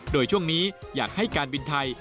โดยช่วงนี้อยากให้การบินไทย